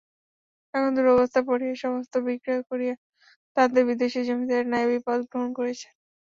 এখন দুরবস্থায় পড়িয়া সমস্ত বিক্রয় করিয়া তাঁহাদের বিদেশী জমিদারের নায়েবি পদ গ্রহণ করিয়াছেন।